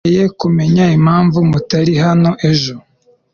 ndacyakeneye kumenya impamvu mutari hano ejo